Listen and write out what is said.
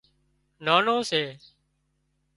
نانو سي